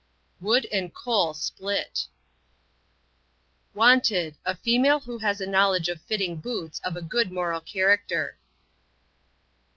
Wood and coal split. Wanted, a female who has a knowledge of fitting boots of a good moral character.